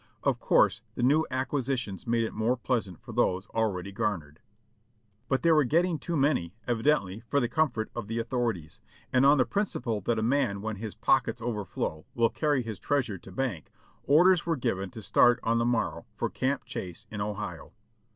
Of course the new ac quisitions made it more pleasant for those already garnered. But there were getting too many, evidently, for the comfort of the authorities; and on the principle that a man when his pockets overflow will carry his treasure to bank, orders were given to start on the morrow for Camp Chase in Ohio.